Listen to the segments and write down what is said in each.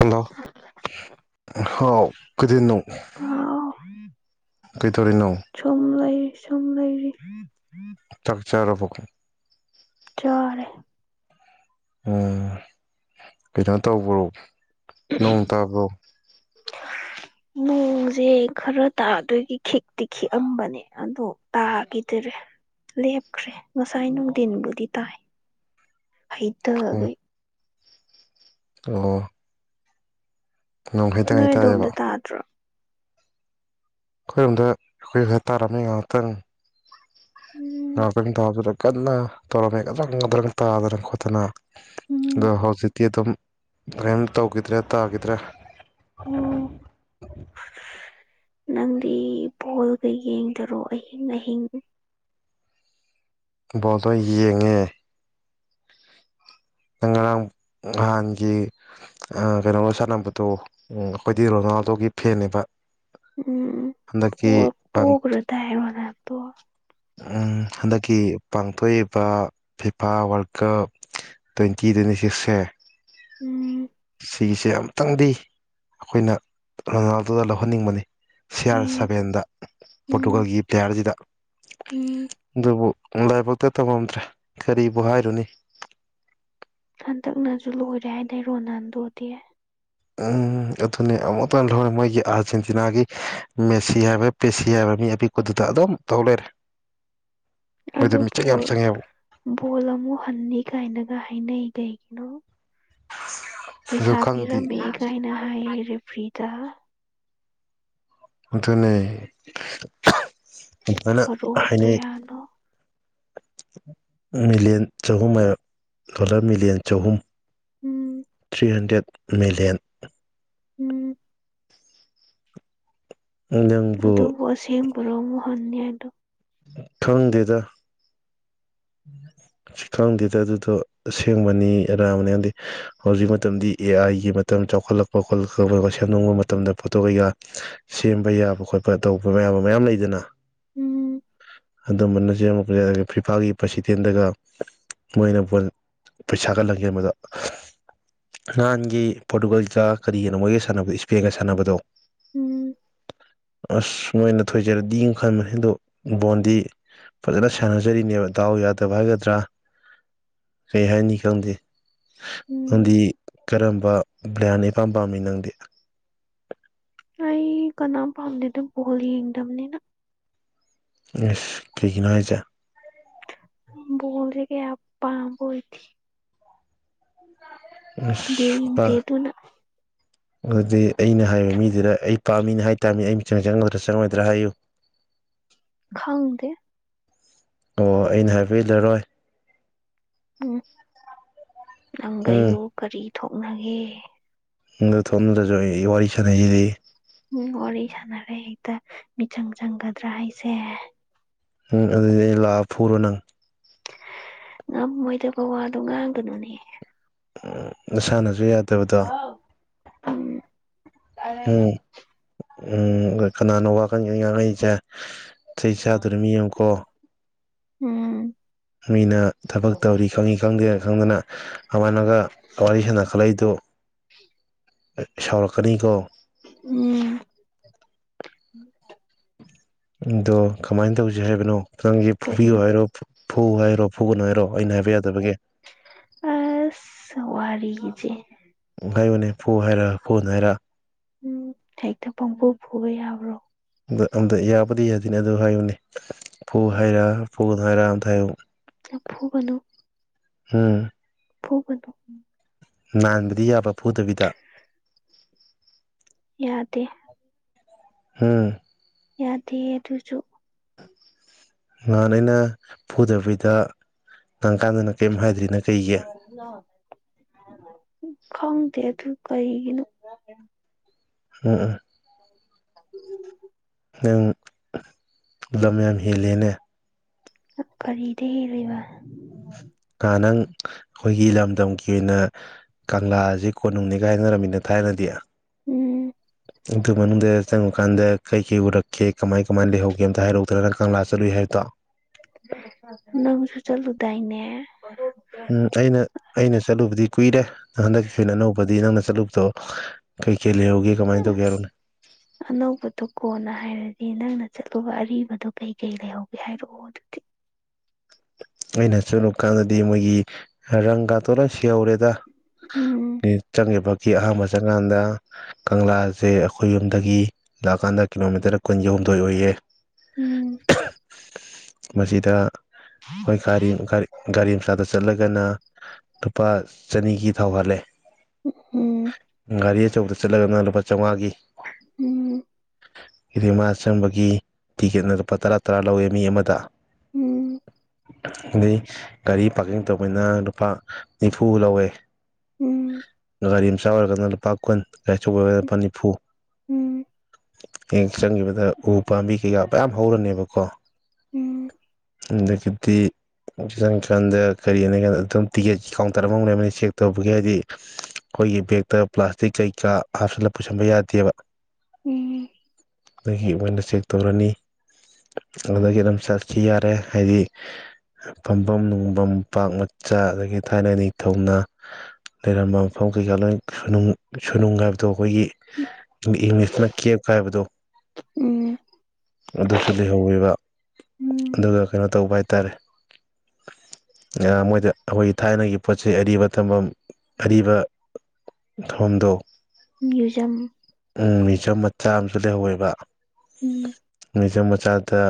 hello ꯍꯥꯎ ꯀꯩꯗꯧꯅꯣ ꯎꯝ [inaudible] ꯀꯩꯇꯧꯔꯤꯅꯣ ꯁꯨꯝ ꯂꯩꯔꯤ ꯁꯨꯝ ꯂꯩꯔꯤ ꯆꯥꯛ ꯆꯥꯔꯥꯕꯣ ꯆꯥꯔꯦ ꯀꯩꯅꯣ ꯇꯧꯕ꯭ꯔꯣ ꯅꯣꯡ ꯇꯥꯕ꯭ꯔꯣ [inaudible] ꯅꯣꯡꯁꯦ ꯈꯔ ꯇꯥꯗꯣꯏꯒꯤ ꯈꯤꯛꯇꯤ ꯈꯤꯛꯑꯝꯕꯅꯦ ꯑꯗꯣ ꯇꯥꯈꯤꯗꯔꯦ ꯂꯦꯞꯈ꯭ꯔꯦ ꯉꯁꯥꯏ ꯅꯨꯡꯊꯤꯟꯕꯨꯗꯤ ꯇꯥꯏ ꯎꯝ ꯍꯩꯊꯒꯩ ꯑꯣ ꯅꯣꯡ ꯍꯩꯇꯪ ꯅꯣꯏ ꯍꯩ ꯇꯥꯏꯌꯦꯕ ꯑꯗꯣꯝꯗ ꯇꯥꯗ꯭ꯔꯣ ꯑꯩꯈꯣꯏꯔꯣꯝꯗ ꯑꯩꯈꯣꯏ ꯈꯔꯥ ꯇꯥꯔꯝꯃꯤ ꯉꯥꯏꯍꯥꯛꯇꯪ ꯎꯝ ꯉꯥꯏꯍꯛꯇꯪ ꯇꯥꯕꯗꯥ ꯀꯟꯅ ꯇꯧꯔꯝꯃꯦ ꯒꯗ꯭ꯔꯪ-ꯒꯗ꯭ꯔꯪ ꯇꯥꯗꯅ ꯈꯣꯠꯇꯅ ꯎꯝ ꯑꯗꯣ ꯍꯧꯖꯤꯛꯇꯤ ꯑꯗꯨꯝ ꯀꯔꯤꯝ ꯇꯧꯈꯤꯗ꯭ꯔꯦ ꯇꯥꯈꯤꯗ꯭ꯔꯦ ꯑꯣ ꯅꯪꯗꯤ ꯕꯣꯜꯒ ꯌꯦꯡꯗꯔꯣ ꯑꯍꯤꯡ-ꯑꯍꯤꯡ ꯕꯣꯜꯗꯣ ꯌꯦꯡꯉꯦ ꯅꯪ ꯉꯔꯥꯡ ꯅꯍꯥꯟꯒꯤ ꯀꯩꯅꯣ ꯁꯥꯟꯅꯕꯗꯣ ꯑꯩꯈꯣꯏꯗꯤ ꯔꯣꯅꯥꯜꯗꯣꯒꯤ ꯐꯦꯟꯅꯦꯕꯥ ꯎꯝ ꯕꯣꯜ ꯄꯣꯒꯔꯗꯥꯏ ꯔꯣꯅꯥꯜꯗꯣ ꯍꯟꯗꯛꯀꯤ ꯄꯥꯡꯊꯣꯛꯏꯕ ꯐꯤꯐꯥ ꯋꯥꯔꯜ ꯀꯞ ꯇ꯭ꯋꯦꯟꯇꯤ-ꯇ꯭ꯋꯦꯟꯇꯤ ꯁꯤꯛꯁꯦ ꯎꯝ ꯁꯤꯒꯤꯁꯦ ꯑꯃꯨꯛꯇꯪꯗꯤ ꯑꯩꯈꯣꯏꯅ ꯔꯣꯅꯥꯜꯗꯣꯗ ꯂꯧꯍꯟꯅꯤꯡꯕꯅꯤ ꯁꯤꯑꯥꯔ ꯎꯝ ꯁꯚꯦꯟꯗ ꯎꯝ ꯄꯣꯔꯇꯨꯒꯜꯒꯤ ꯄ꯭ꯂꯦꯌꯥꯔꯁꯤꯗ ꯎꯝ ꯑꯗꯨꯕꯨ ꯂꯥꯏꯕꯛꯇ ꯇꯃꯝꯗꯔ꯭ꯦ ꯀꯔꯤꯕꯨ ꯍꯥꯏꯔꯨꯅꯤ ꯍꯟꯗꯛꯅꯁꯨ ꯂꯣꯏꯔꯦ ꯍꯥꯏꯗꯥꯏ ꯔꯣꯅꯥꯜꯗꯣꯗꯤ ꯑꯗꯨꯅꯤ ꯑꯃꯨꯛꯇꯪꯗ ꯃꯣꯏꯒꯤ ꯑꯥꯔꯖꯦꯟꯇꯤꯅꯥꯒꯤ ꯃꯦꯁꯤ ꯍꯥꯏꯕ ꯄꯦꯁꯤ ꯍꯥꯏꯕ ꯃꯤ ꯑꯄꯤꯛꯄꯗꯨꯗ ꯑꯗꯨꯝ ꯇꯧꯍ ꯂꯩꯔꯦ ꯑꯗꯣ ꯃꯣꯏꯗꯣ ꯕꯣ ꯃꯤꯆꯪ ꯌꯥꯝ ꯆꯪꯉꯦꯕ ꯕꯣꯜ ꯑꯃꯨꯛ ꯍꯟꯅꯤ ꯀꯥꯏꯅꯒ ꯍꯥꯏꯅꯩ ꯀꯩꯒꯤꯅꯣ ꯑ ꯄꯩꯁꯥ ꯄꯤꯔꯝꯃꯦ ꯀꯥꯏꯅ ꯍꯥꯏꯌꯦ ꯔꯦꯐ꯭ꯔꯤꯗ ꯑꯗꯨꯇꯣ ꯅ ꯏꯅ ꯀꯔꯣꯔ ꯍꯥꯏꯅ ꯀꯌꯥꯅꯣ ꯃꯤꯂꯤꯌꯟ ꯆꯍꯨꯝ ꯗꯣꯂꯔ ꯃꯤꯂꯤꯌꯟ ꯆꯍꯨꯝ ꯎꯝ ꯊ꯭ꯔꯤ ꯍꯟꯗ꯭ꯔꯦꯠ ꯃꯤꯂꯤꯌꯟ ꯎꯝ ꯅꯪꯕꯨ ꯑꯗꯨꯕꯨ ꯑꯁꯦꯡꯕ꯭ꯔꯣ ꯑꯃꯨꯛ ꯍꯟꯅꯤ ꯍꯥꯏꯗꯣ ꯈꯪꯗꯦꯗꯥ ꯁꯤ ꯈꯪꯗꯦꯗ ꯑꯗꯨꯗꯣ ꯑꯁꯦꯡꯕꯅꯤ ꯑꯔꯥꯟꯕꯅꯤ ꯈꯪꯗꯦ ꯍꯧꯖꯤꯛ ꯃꯇꯝꯗꯤ ꯑꯦ ꯑꯥꯏꯒꯤ ꯃꯇꯝ ꯆꯥꯎꯈꯠꯂꯛꯄ ꯈꯣꯠꯂꯛꯄ ꯁꯦꯝꯅꯤꯡꯕ ꯃꯇꯝꯗ ꯐꯣꯇꯣ ꯀꯩꯀꯥ ꯁꯦꯝꯕ ꯌꯥꯕ ꯈꯣꯠꯄ ꯇꯧꯕ ꯃꯌꯥꯝꯕ ꯃꯌꯥꯝ ꯂꯩꯗꯅ ꯎꯝ ꯑꯗꯨꯝꯕꯅ ꯁꯦꯝꯄꯁ ꯑꯗꯨꯒ ꯐꯤꯐꯥꯒꯤ ꯄ꯭ꯔꯁꯤꯗꯦꯟꯗꯒ ꯃꯣꯏꯅ ꯄꯩꯁꯥ ꯀꯜꯍꯟꯒꯦ ꯃꯗ ꯅꯍꯥꯟꯒꯤ ꯄꯣꯔꯇꯨꯒꯜꯒ ꯀꯔꯤꯒꯤꯅꯣ ꯃꯣꯏꯒ ꯁꯥꯟꯅꯕꯗꯣ ꯏꯁꯄꯦꯟꯒ ꯁꯥꯟꯅꯕꯗꯣ ꯎꯝ ꯑꯁ ꯅꯣꯏꯅ ꯊꯣꯏꯖꯔꯗꯤꯅ ꯈꯟꯕꯅꯦ ꯑꯗꯣ ꯕꯣꯟꯗꯤ ꯐꯖꯅ ꯁꯥꯟꯅꯖꯔꯤꯅꯦꯕ ꯗꯥꯎ ꯌꯥꯗꯕ ꯍꯥꯏꯒꯗ꯭ꯔꯥ ꯀꯩ ꯍꯥꯏꯅꯤ ꯈꯪꯗꯦ ꯎꯝ ꯅꯪꯗꯤ ꯀꯔꯝꯕ ꯕ꯭ꯔꯥꯟꯅꯤꯄꯥꯝ ꯄꯥꯝꯃꯤ ꯅꯪꯗꯤ ꯑꯩ ꯀꯅꯥꯝ ꯄꯥꯝꯗꯦꯗꯣ ꯕꯣꯜ ꯌꯦꯡꯗꯕꯅꯤꯅ ꯑꯦ ꯀꯩꯒꯤꯅꯣ ꯍꯥꯏꯁꯦ ꯣꯔꯒꯦ ꯄꯥꯝꯕꯣ ꯏꯗꯤ ꯑꯣꯏꯗꯦ ꯄꯨꯁꯄ ꯌꯦꯡꯗꯦ ꯑꯗꯨꯅ ꯑꯗꯨꯗꯤ ꯑꯩꯅ ꯍꯥꯏꯔꯤꯕ ꯃꯤꯗꯨꯗ ꯑꯩ ꯄꯥꯝꯃꯤꯅꯤ ꯍꯥꯏꯇꯥꯥꯔꯃꯤꯅꯦ ꯑꯩ ꯃꯤꯆꯤꯟ ꯆꯪꯒꯗ꯭ꯔꯥ ꯆꯪꯉꯣꯏꯗ꯭ꯔꯥ ꯍꯥꯏꯌꯨ [unintelligible] ꯈꯪꯗꯦ ꯑꯣ ꯑꯩꯅ ꯍꯥꯏꯕꯤꯂꯔꯣꯏ ꯎꯝ ꯎꯝ ꯅꯪꯒꯩꯒꯣ ꯀꯔꯤ ꯊꯣꯛꯅꯒꯦ ꯗ ꯊꯕꯗꯁꯨ ꯑꯩ ꯋꯥꯔꯤ ꯁꯥꯟꯅꯩꯁꯤꯗꯤ ꯎꯝ ꯋꯥꯔꯤ ꯁꯥꯟꯅꯔꯦ ꯍꯦꯛꯇ ꯃꯤꯆꯪ ꯆꯪꯒꯗ꯭ꯔꯥ ꯍꯥꯏꯁꯦ ꯎꯝ ꯑꯗꯨꯗꯤ ꯑꯩ ꯂꯥꯛꯑ ꯐꯨꯔꯣ ꯅꯪ ꯉꯥꯡ ꯃꯣꯏꯗ ꯕꯋꯥꯗꯣ ꯉꯥꯡꯒꯅꯨꯅꯦ ꯁꯥꯟꯅꯁꯨ ꯌꯥꯗꯕꯗ [unintelligible] ꯇꯥꯔꯦ ꯎꯝ ꯎꯝ ꯀꯅꯥꯅꯣ ꯋꯥꯈꯜꯒꯤ ꯉꯥꯡꯅꯛꯁꯦ ꯆꯩꯩ ꯑ ꯆꯥꯗꯨꯔꯃꯌꯨꯝ ꯀ ꯎꯝ ꯃꯤꯅ ꯊꯕꯛ ꯇꯧꯔꯤ ꯈꯪꯉꯤ ꯈꯪꯗꯦ ꯈꯪꯗꯅ ꯑꯃꯅꯒ ꯋꯥꯔꯤ ꯁꯥꯟꯅꯈꯠꯂꯛꯏꯗꯨ ꯁꯥꯎꯔꯛꯀꯅꯤꯀꯣ ꯎꯝ ꯑꯗꯣ ꯀꯃꯥꯏꯅ ꯇꯧꯁꯤ ꯍꯥꯏꯕꯅꯣ ꯈꯤꯪꯁꯦ ꯐꯨꯕꯤꯌ ꯀꯩ ꯍꯥꯏꯔꯣ ꯐꯧ ꯍꯥꯏꯔꯣ ꯐꯨꯒꯨꯟ ꯍꯥꯏꯔꯣ ꯑꯩꯅ ꯍꯥꯏꯕ ꯌꯥꯗꯕꯒꯤꯦ ꯑ ꯁꯋꯥꯔꯤꯖ ꯍꯥꯏꯩꯕꯅꯦ ꯐꯨ ꯍꯥꯏꯔꯥ ꯐꯣꯟ ꯍꯥꯏꯔ ꯎꯝ ꯍꯛꯇ ꯄꯥꯡꯕꯨ ꯄꯨꯕ ꯌꯥꯕ꯭ꯔꯣ ꯑ ꯑꯝ ꯌꯥꯕꯨꯗꯤ ꯌꯥꯗꯣꯏꯅꯤ ꯑꯗꯨ ꯍꯥꯏꯌꯅꯦ ꯐꯨ ꯍꯥꯏꯔꯥ ꯐꯨꯅ ꯍꯥꯏꯔ ꯑꯝꯇ ꯍꯥꯏꯌꯨ ꯂꯐꯨꯒꯅꯨ ꯎꯝ ꯐꯨꯒꯅꯣ ꯅꯥꯟꯕꯗꯤ ꯌꯥꯕ ꯐꯨꯗꯕꯤꯗ ꯌꯥꯗꯦ ꯍꯝ ꯌꯥꯗꯦ ꯑꯗꯨꯖꯨ ꯉꯍꯥꯟ ꯑꯩꯅ ꯐꯨꯗꯕꯤꯗ ꯅꯥꯟ ꯀꯥꯟꯗꯅ ꯀꯔꯤꯝ ꯍꯥꯏꯗ꯭ꯔꯤꯅ ꯀꯩꯒꯤ ꯈꯪꯗꯦ ꯇꯨ ꯀꯩꯅ ꯎꯝ ꯎꯝ ꯎꯝ ꯅꯪ ꯂꯝ ꯌꯥꯝ ꯍꯦꯜꯂꯦꯅꯦ ꯀꯔꯤꯗ ꯍꯦꯜꯜꯂꯤꯕ ꯉ ꯅꯪ ꯑꯩꯈꯣꯏꯒꯤ ꯂꯝꯗꯝꯒꯤ ꯑꯣꯏꯅ ꯀꯪꯂꯥꯁꯤ ꯀꯣꯟꯅꯨꯡꯅꯤꯒꯥꯏꯅꯔꯝꯃꯤꯅ ꯊꯥꯏꯅꯗꯤ ꯎꯝ ꯑꯗꯨ ꯃꯅꯨꯡꯗ ꯆꯪꯉꯨꯀꯥꯟꯗ ꯀꯩ ꯀꯩ ꯎꯔꯛꯀꯦ ꯀꯃꯥꯏ ꯀꯃꯥꯏꯅ ꯂꯩꯍꯧꯒꯦ ꯑꯝꯇ ꯍꯥꯏꯔꯛ ꯎꯗꯅ ꯅꯪ ꯀꯪꯂꯥ ꯆꯠꯂꯨꯏ ꯍꯥꯏꯕꯗꯣ ꯅꯪꯁꯨ ꯆꯂꯨꯗꯥꯏꯅꯦ ꯎꯝ ꯑꯩꯅ ꯑꯩꯅ ꯆꯠꯂꯨꯕꯗꯤ ꯀꯨꯏꯔꯦ ꯍꯟꯗꯛꯀꯤ ꯑꯣꯏꯅ ꯑꯅꯧꯕꯗꯤ ꯅꯪꯅ ꯆꯠꯂꯨꯕꯗꯣ ꯀꯩ ꯀꯩ ꯂꯩꯍꯒꯦ ꯑꯁ ꯑꯅꯧꯕꯗꯤ ꯀꯣꯟꯅ ꯍꯥꯏꯔꯗꯤ ꯅꯪꯅ ꯆꯠꯂꯨꯕ ꯑꯔꯤꯕꯗꯣ ꯀꯩ ꯀꯩ ꯂꯩꯍꯧꯒꯦ ꯍꯥꯏꯔꯛꯑꯣ ꯑꯗꯨꯗꯤ ꯑꯩꯅ ꯆꯠꯂꯨ ꯀꯥꯟꯗꯗꯤ ꯃꯣꯏꯒꯤ ꯔꯪꯒꯥꯗꯣ ꯂꯣꯢꯅ ꯁꯤ ꯍꯧꯔꯦꯗ ꯎꯝ ꯆꯪꯒꯤꯕꯒꯤ ꯑꯍꯥꯟꯕ ꯆꯪꯀꯥꯟꯗ ꯀꯪꯂꯥꯁꯦ ꯑꯩꯈꯣꯏ ꯌꯨꯝꯗꯒꯤ ꯂꯥꯛꯀꯥꯟꯗ ꯀꯤꯂꯣꯃꯤꯇꯔ ꯀꯨꯟꯒꯍꯨꯝꯗꯣꯏ ꯑꯣꯏꯌꯦ ꯎꯝ ꯃꯁꯤꯗ ꯑꯩꯈꯣꯏ ꯒꯥꯔꯤ ꯒꯥꯔꯤ ꯒꯥꯔꯤ ꯃꯆꯥꯗ ꯆꯠꯂꯒꯅ ꯂꯨꯄꯥ ꯆꯅꯤꯒꯤ ꯊꯥꯎ ꯍꯥꯜꯂꯦ ꯎꯝ ꯒꯥꯔꯤ ꯑꯆꯧꯕꯗ ꯆꯠꯂꯒꯅ ꯂꯨꯄꯥ ꯆꯧꯉꯥꯒꯤ ꯎꯝ ꯔꯤꯃꯥ ꯆꯪꯕꯒꯤ ꯇꯤꯛꯀꯦꯠꯅ ꯂꯨꯄꯥ ꯇꯔꯥ ꯇꯔꯥ ꯂꯧꯋꯦ ꯃꯤ ꯑꯃꯗ ꯎꯝ ꯑꯗꯩ ꯒꯥꯔꯤ ꯄꯥꯔꯀꯤꯡ ꯇꯧꯕꯩꯅ ꯂꯨꯄꯥ ꯅꯤꯐꯨ ꯂꯧꯋꯦ ꯎꯝ ꯒꯥꯔꯤ ꯃꯆꯥ ꯑꯣꯏꯔꯒꯅ ꯂꯨꯄꯥ ꯀꯨꯟ ꯒꯥꯔꯤ ꯑꯆꯧꯕꯔꯒꯅ ꯂꯨꯄꯥ ꯅꯤꯐꯨ ꯎꯝ ꯍꯦꯛ ꯆꯪꯒꯤꯕꯗ ꯎ ꯄꯥꯝꯕꯤ ꯀꯩꯀꯥ ꯃꯌꯥꯝ ꯍꯧꯔꯅꯦꯕꯀꯣ ꯎꯝ ꯑꯗꯒꯤ ꯗꯤ ꯆꯪꯒꯤꯀꯥꯟꯗ ꯀꯔꯤ ꯍꯥꯏꯅ ꯀꯥꯟꯗ ꯑꯗꯨꯝ ꯇꯤꯛꯀꯦꯠ ꯀꯥꯎꯟꯇꯔ ꯃꯅꯨꯡꯗ ꯂꯩꯔꯝꯃꯅꯤ ꯆꯦꯛ ꯇꯧꯕꯒꯤ ꯍꯥꯏꯗꯤ ꯑꯩꯈꯣꯏꯒꯤ ꯕꯦꯛꯇ ꯄ꯭ꯂꯥꯁꯇꯤꯛ ꯀꯩꯀꯥ ꯍꯥꯞꯆꯜꯂ ꯄꯨꯁꯟꯕ ꯌꯥꯗꯦꯕ ꯎꯝ ꯑꯗꯒꯤ ꯃꯣꯏꯅ ꯆꯦꯛ ꯇꯧꯔꯅꯤ ꯑꯗꯨꯗꯒꯤ ꯑꯗꯨꯝ ꯆꯠꯈꯤ ꯌꯥꯔꯦ ꯍꯥꯏꯗꯤ ꯐꯝꯐꯝ ꯅꯨꯡꯐꯝ ꯄꯥꯛ ꯃꯆꯥ ꯑꯗꯒꯤ ꯊꯥꯏꯅ ꯅꯤꯡꯊꯧꯅ ꯂꯩꯔꯝꯕ ꯃꯐꯝ ꯀꯩꯀꯥ ꯂꯣꯏ ꯁꯨꯅꯨꯡ ꯁꯨꯅꯨꯡ ꯍꯥꯏꯕꯗꯣ ꯑꯩꯈꯣꯏꯒꯤ ꯎꯝ ꯏꯪꯂꯤꯁꯇꯅ ꯀꯦꯞ ꯀꯥ ꯍꯥꯏꯕꯗꯣ ꯎꯝ ꯑꯗꯨꯁꯨ ꯂꯩꯍꯧꯋꯦꯕ ꯑꯗꯨꯒ ꯀꯩꯅꯣ ꯇꯧꯕ ꯍꯥꯏꯇꯥꯔꯦ ꯍꯦꯔꯥ ꯃꯣꯏꯗ ꯑꯩꯈꯣꯏꯒꯤ ꯊꯥꯏꯅꯒꯤ ꯄꯣꯠ ꯆꯩ ꯑꯔꯤꯕ ꯊꯝꯐꯝ ꯑꯔꯤꯕ ꯊꯣꯝꯗ ꯃ꯭ꯌꯨꯖꯝ ꯎꯝ ꯃꯤꯌꯨꯖꯝ ꯃꯆꯥ ꯑꯃꯁꯨ ꯂꯩꯍꯧꯋꯦꯕ ꯎꯝ ꯃꯤꯌꯨꯖꯝ ꯃꯆꯥ ꯗ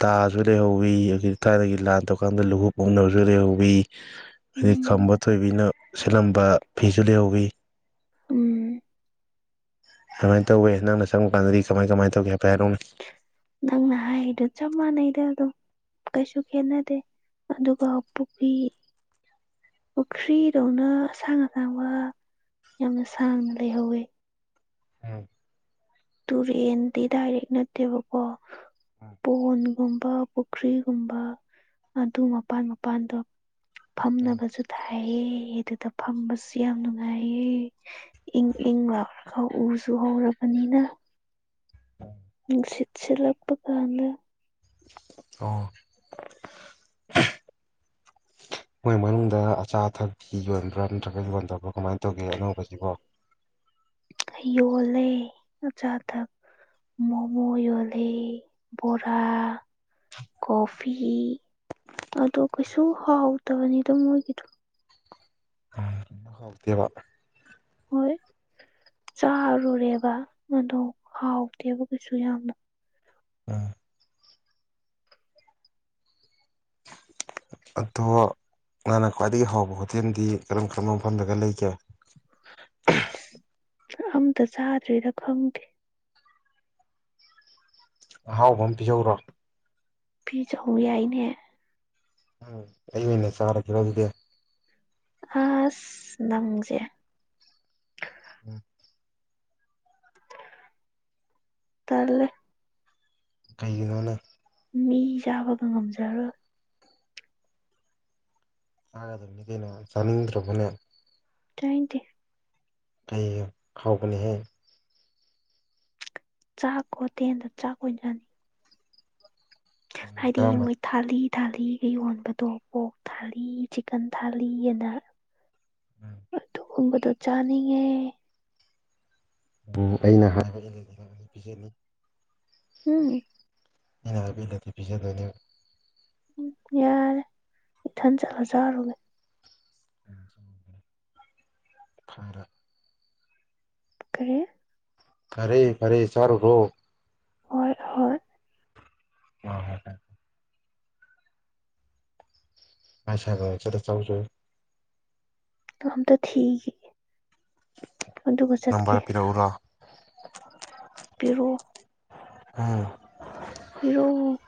ꯇꯥꯁꯨ ꯂꯩꯍꯧꯋꯤ ꯑꯩꯈꯣꯏ ꯊꯥꯏꯅꯗꯒꯤ ꯂꯥꯟ ꯇꯧꯔꯀꯥꯟꯗ ꯂꯨꯍꯨꯞ ꯎꯞꯅꯕꯁꯨ ꯂꯩꯍꯧꯋꯤ ꯑꯩꯗꯩ ꯈꯝꯕ ꯊꯣꯏꯕꯤꯅ ꯁꯦꯠꯂꯝꯕ ꯐꯤꯁꯨ ꯂꯩꯍꯧꯋꯤ ꯎꯝ ꯀꯃꯥꯏꯅ ꯇꯧꯋꯦ ꯅꯪꯅ ꯆꯪꯉꯨꯀꯥꯟꯗꯗꯤ ꯀꯃꯥꯏ ꯀꯃꯥꯏꯅ ꯇꯧꯒꯦ ꯍꯥꯏꯐꯦꯠ ꯍꯥꯏꯔꯛꯎꯅꯦ ꯅꯪ ꯍꯥꯏꯔꯤꯗꯣ ꯆꯞ ꯃꯥꯟꯅꯩꯗ ꯑꯗꯨꯝ ꯀꯩꯁꯨ ꯈꯦꯠꯅꯗꯦ ꯑꯗꯨꯒ ꯄꯨꯕꯤ ꯄꯨꯈ꯭ꯔꯤꯗꯧꯅ ꯑꯁꯥꯡ ꯑꯁꯥꯡꯕ ꯌꯥꯝꯅ ꯁꯥꯡꯅ ꯂꯩꯍꯧꯋꯦ ꯎꯝ ꯇꯨꯔꯦꯟꯗꯤ ꯗꯥꯏꯔꯦꯛ ꯅꯠꯇꯦꯕꯀꯣ ꯎꯝ ꯄꯣꯟꯒꯨꯝꯕ ꯄꯨꯈ꯭ꯔꯤꯒꯨꯝꯕ ꯑꯗꯨ ꯃꯄꯥꯟ ꯃꯄꯥꯟꯗꯣ ꯎꯝ ꯐꯝꯅꯕꯖꯨ ꯊꯥꯏꯌꯦ ꯑꯗꯨꯗ ꯐꯝꯕꯖꯨ ꯌꯥꯝ ꯅꯨꯡꯉꯥꯏꯌꯦ ꯏꯪ ꯏꯪ ꯂꯥꯎꯔꯒ ꯎꯁꯨ ꯍꯧꯔꯕꯅꯤꯅ ꯑ ꯅꯨꯡꯁꯤꯠ ꯁꯤꯂꯛꯄ ꯀꯥꯟꯗ ꯑꯣ ꯃꯣꯏ ꯃꯅꯨꯡꯗ ꯑꯆꯥ ꯑꯊꯛꯀꯤ ꯌꯣꯟꯕ꯭ꯔꯥ ꯅꯠꯇ꯭ꯔꯒ ꯌꯣꯟꯗꯕ꯭ꯔꯥ ꯀꯃꯥꯏꯅ ꯇꯧꯒꯦ ꯑꯅꯧꯕꯁꯤꯕꯣ ꯌꯣꯜꯂꯦ ꯑꯆꯥ ꯑꯊꯛ ꯃꯣꯃꯣ ꯌꯨꯜꯂꯤ ꯕꯣꯔꯥ ꯀꯣꯐꯤ ꯑꯗꯣ ꯀꯩꯁꯨ ꯍꯥꯎꯇꯕꯅꯤꯗ ꯃꯣꯏꯒꯤꯗꯣ [unintelligible] ꯍꯥꯎꯇꯦꯕ ꯍꯣꯏ ꯆꯥꯔꯨꯔꯦꯕ ꯑꯗꯣ ꯍꯥꯎꯇꯦꯕ ꯀꯩꯁꯨ ꯌꯥꯝꯅ ꯎꯝ ꯑꯗꯣ ꯅꯪꯅ ꯈ꯭ꯋꯥꯏꯗꯒꯤ ꯍꯥꯎꯕ ꯍꯣꯇꯦꯜꯗꯤ ꯀꯔꯝ ꯀꯔꯝꯕ ꯃꯐꯝꯗꯒ ꯂꯩꯒꯦ ꯑꯝꯇ ꯆꯥꯗ꯭ꯔꯤꯗ ꯈꯪꯗꯦ ꯑꯍꯥꯎꯕ ꯑꯃ ꯄꯤꯖꯧꯔꯣ ꯄꯤꯖꯧ ꯑꯣ ꯌꯥꯏꯅꯦ ꯎꯝ ꯍꯩ ꯑꯣꯏꯅ ꯆꯥꯔꯁꯤꯔꯣ ꯑꯗꯨꯗꯤ ꯑꯁ ꯅꯪꯁꯦ ꯎꯝ ꯇꯜꯂꯦ ꯀꯩꯒꯤꯅꯣꯅꯦ ꯃꯤ ꯆꯥꯕꯒ ꯉꯝꯖꯔꯣꯏ ꯆꯥꯒꯗꯕꯅꯤ ꯀꯩꯅꯣ ꯆꯥꯅꯤꯡꯗ꯭ꯔꯕꯅꯦ ꯆꯥꯅꯤꯡꯇꯦ ꯀꯩꯒꯤ ꯍꯥꯎꯕꯅꯤꯍꯦ ꯆꯥꯛ ꯈꯣꯠꯇꯦꯜꯗ ꯆꯥꯛ ꯑꯣꯏꯅ ꯍꯥꯏꯗꯤ ꯀꯔꯝꯕ ꯃ ꯊꯥꯂꯤ ꯊꯥꯂꯤꯒ ꯌꯣꯟꯕꯗꯣ ꯄꯣꯛ ꯊꯥꯂꯤ ꯆꯤꯛꯀꯟ ꯊꯥꯂꯤ ꯑꯅ ꯎꯝ ꯒꯨꯝꯕꯗꯣ ꯆꯥꯅꯤꯡꯉꯦ ꯎꯝ ꯑꯩꯅ ꯍꯥꯏ [inaudible] ꯍꯝ ꯑꯩꯅ ꯍꯥꯏꯕ ꯏꯜꯂꯗꯤ ꯄꯤꯖꯗꯣꯏꯅꯦꯕ ꯍꯝ ꯌꯥꯔꯦ ꯏꯊꯟ ꯆꯠꯂ ꯆꯥꯔꯨꯒꯦ [unintelligible] ꯈꯔ ꯀꯔꯤ ꯐꯔꯦ ꯐꯔꯦ ꯆꯥꯔꯨꯔꯣ ꯍꯣꯏ ꯍꯣꯏ [unintelligible] ꯉꯥꯏ ꯁꯒ ꯆꯦꯗ ꯆꯧꯁꯨ ꯍ ꯊ ꯑꯗꯨꯗꯨꯒ ꯆꯠꯀꯦ ꯅꯝꯕꯔ ꯄꯤꯔꯛꯎꯔꯣ ꯄꯤꯔꯣꯑꯣ ꯑꯥ ꯄꯤꯔꯛꯑꯣ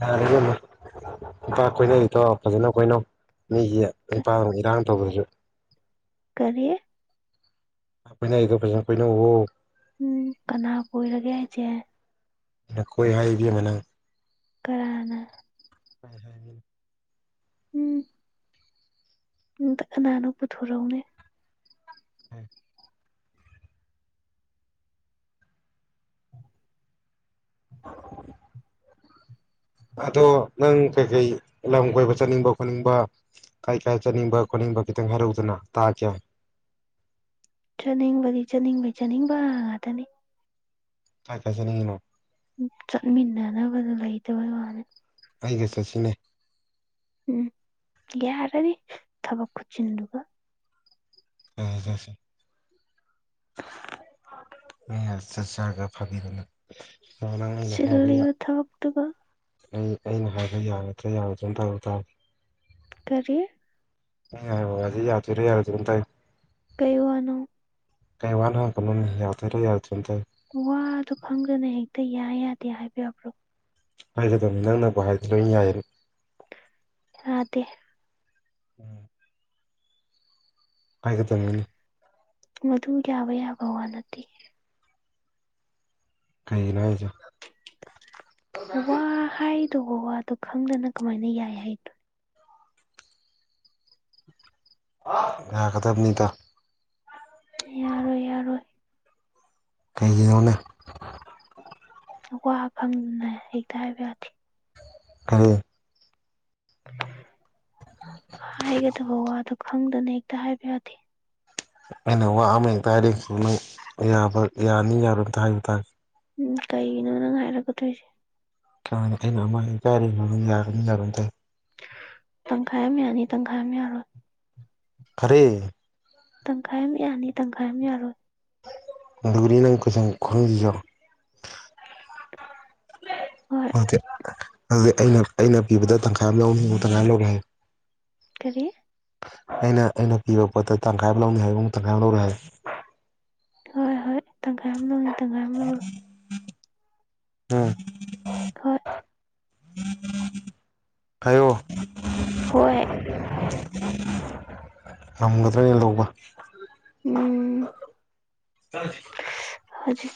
ꯌꯥꯔꯦ ꯏꯕꯦꯝꯃ ꯅꯨꯄꯥ ꯀꯣꯏꯅꯩꯗꯣ ꯐꯖꯅ ꯀꯣꯏꯅꯧ ꯃꯤꯒꯤ ꯅꯤꯄꯥꯗꯨꯗ ꯏꯔꯥꯡ ꯇꯧꯗꯔꯁꯨ ꯀꯔꯤ ꯀꯣꯏꯅꯩꯗꯣ ꯐꯖꯅ ꯀꯣꯏꯅꯧꯑꯣ ꯎꯝ ꯀꯅꯥ ꯀꯣꯏꯔꯒꯦ ꯍꯥꯏꯁꯦ ꯅꯈꯣꯏ ꯍꯥꯏꯕꯤ ꯑꯃꯅꯪ ꯀꯅ ꯍ ꯍꯣꯏ ꯎꯝ ꯀꯅꯥꯅꯣ ꯄꯨꯊꯣꯔꯛꯎꯅꯦ [unintelligible] ꯑꯗꯣ ꯅꯪ ꯀꯩꯀꯩ ꯂꯝ ꯀꯣꯏꯕ ꯆꯠꯅꯤꯡꯕ ꯈꯣꯠꯅꯤꯡꯕ ꯀꯥꯏ ꯀꯥꯏ ꯆꯠꯅꯤꯡꯕ ꯈꯣꯠꯅꯤꯡꯕ ꯈꯤꯇꯪ ꯍꯥꯏꯔꯧꯗꯅ ꯇꯥ ꯀꯦ ꯆꯠꯅꯤꯡꯕꯗꯤ ꯆꯥꯅꯤꯡꯕꯩ ꯆꯥꯅꯤꯡꯕ ꯉꯥꯛꯇꯅꯤ ꯊꯥꯏ ꯀꯁꯦ ꯅꯉꯅꯣ ꯎ ꯆꯠꯃꯤꯟꯅꯅꯕꯅꯕ ꯑꯗꯨ ꯂꯩꯇꯕꯩ ꯋꯥꯅꯤ ꯑꯩꯒ ꯁꯁꯤꯅꯦ ꯎꯝ ꯌꯥꯔꯗꯤ ꯊꯕꯛ ꯈꯨꯠꯁꯤꯤꯟꯗꯨꯒ ꯎꯝ ꯆꯁꯦ ꯃ ꯆꯠ ꯆꯔꯒ ꯐꯥꯕꯤꯔꯅ ꯁꯤꯤꯂꯤ ꯃ ꯊ ꯑꯣꯛꯇꯕ ꯑꯩ ꯑꯩꯅ ꯍꯥꯏꯕ ꯌꯥꯔꯗ꯭ꯔꯥ ꯌꯥꯔꯗ꯭ꯔꯅ ꯇꯧ ꯇꯥꯦ ꯀꯔꯤ ꯌꯥꯏ ꯍ ꯑꯗꯨꯗꯤ ꯌꯥꯗꯣꯏꯔꯥ ꯌꯥꯔꯣꯏꯗꯤ ꯑꯗꯨꯝ ꯇꯥꯏ ꯀꯩ ꯋꯥꯅ ꯀꯥꯏ ꯋꯥꯅ ꯍꯥ ꯀꯅꯣꯅꯦ ꯌꯥꯎ ꯇꯔ ꯌꯥꯎ ꯆꯇ ꯋꯥꯗꯣ ꯐꯪꯗꯅ ꯍꯦꯛꯇ ꯌꯥꯏ ꯌꯥꯗꯦ ꯍꯥꯏꯕꯤꯔꯕ꯭ꯔꯣ ꯍꯥꯏꯒꯗꯅꯤ ꯅꯪꯅꯕꯨ ꯍꯥꯏꯗ ꯂꯣꯏ ꯌꯥꯏ ꯑꯗꯦ ꯎꯝ ꯍꯥꯏꯒꯗꯅꯤ ꯃꯗꯨ ꯌꯥꯕ ꯌꯥꯕ ꯋꯥ ꯅꯠꯇꯦ ꯀꯩꯒꯤ ꯂ ꯍꯥꯏꯁꯦ ꯋꯥ ꯍꯥꯏꯗꯧꯕ ꯋꯥꯗꯣ ꯈꯪꯗꯅ ꯀꯃꯥꯏꯅ ꯌꯥꯏ ꯍꯥꯏꯗꯣ ꯌꯥꯒꯗꯕꯅꯤꯗ ꯌꯥꯔꯣꯏ ꯌꯥꯔꯣꯏ ꯀꯩꯒꯤꯣꯅ ꯋꯥ ꯈꯪꯗꯅ ꯍꯦꯛꯇ ꯍꯥꯏꯕ ꯌꯥꯗꯦ ꯑ ꯍꯥꯏꯒꯗꯕ ꯋꯥꯗꯣ ꯈꯪꯗꯅ ꯍꯦꯛꯇ ꯍꯥꯏꯕ ꯌꯥꯗꯦ ꯑꯩꯅ ꯋꯥ ꯑꯃ ꯍꯦꯛꯇ ꯍꯥꯏꯔꯁꯨ ꯅꯪ ꯌꯥꯕ ꯌꯥꯅꯤ ꯌꯥꯔꯣꯏꯅꯇ ꯍꯥꯏꯕ ꯇꯥꯒꯦ ꯎꯝ ꯀꯩꯒꯤꯅꯣ ꯅꯪ ꯍꯥꯏꯔꯛꯀꯗꯣꯏꯁꯦ ꯀꯅꯤ ꯑꯩꯅ ꯑꯃ ꯀꯥꯏꯔꯤꯝ ꯌꯥꯒꯅꯤ ꯌꯥꯔꯣꯏ ꯇꯥꯏ ꯇꯪꯈꯥꯏ ꯑꯃ ꯌꯥꯅꯤ ꯇꯪꯈꯥꯏ ꯑꯃ ꯌꯥꯔꯣꯏ ꯈꯔꯦ ꯇꯪꯈꯥꯏ ꯑꯃ ꯌꯥꯅꯤ ꯇꯪꯈꯥꯏ ꯑꯃ ꯌꯥꯔꯣꯏ ꯂꯒꯔꯤ ꯅꯝꯈꯁꯨ ꯈꯣꯡꯖꯖꯣ ꯍꯣꯏ ꯑꯣꯀꯦ ꯑꯗꯨꯗꯤ ꯑꯩꯅ ꯑꯩꯅ ꯄꯤꯕꯗ ꯇꯪꯈꯥꯏ ꯑꯃ ꯂꯧꯅꯤꯡꯣ ꯇꯪꯈꯥꯏ ꯂꯧꯔꯦ ꯍꯥꯏꯌꯦ ꯀꯔꯤꯦ ꯑꯩꯅ ꯑꯩꯅ ꯄꯤꯕ ꯄꯣꯠꯇ ꯇꯪꯈꯥꯏ ꯑꯃ ꯂꯧꯅꯤ ꯍꯥꯏ ꯇꯪꯈꯥꯏ ꯑꯃ ꯂꯧꯔꯦ ꯍꯥꯏ ꯍꯣꯏ ꯍꯣꯏ ꯇꯪꯈꯥꯏ ꯑꯃ ꯂꯧꯅꯤ ꯇꯪꯈꯥꯏ ꯑꯃ ꯂꯧꯔꯣꯏ ꯎꯝ ꯈꯣꯏ ꯍꯥꯏꯌꯣ ꯍꯣꯏ ꯎꯝ ꯉꯝꯒꯗ꯭ꯔꯦ ꯂꯧꯕ ꯎꯝ ꯑ ꯍꯧꯖꯤꯁꯤꯦ